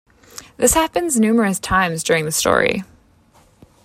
This happens numerous times during the story.